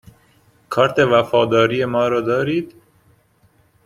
کارت وفاداری ما را دارید؟